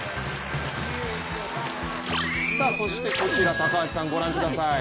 そしてこちら、高橋さん、ご覧ください。